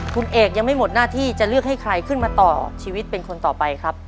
คุณเอกยังไม่หมดหน้าที่จะเลือกให้ใครขึ้นมาต่อชีวิตเป็นคนต่อไปครับ